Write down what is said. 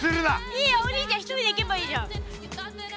いいよお兄ちゃん１人で行けばいいじゃん。